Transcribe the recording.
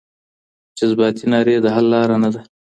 جذباتي نارې د حل لاره نه ده.